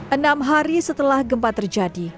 enam hari setelah gempa terjadi